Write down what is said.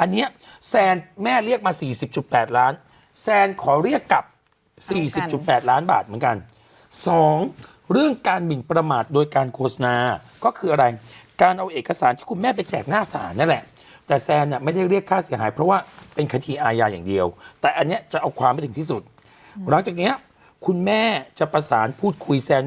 อันนี้แซนแม่เรียกมาสี่สิบจุดแปดล้านแซนขอเรียกกลับสี่สิบจุดแปดล้านบาทเหมือนกันสองเรื่องการหมินประมาทโดยการโฆษณาก็คืออะไรการเอาเอกสารที่คุณแม่ไปแจกหน้าศาลนั่นแหละแต่แซนอ่ะไม่ได้เรียกค่าเสียหายเพราะว่าเป็นคดีอาญาอย่างเดียวแต่อันนี้จะเอาความให้ถึงที่สุดหลังจากเนี้ยคุณแม่จะประสานพูดคุยแซน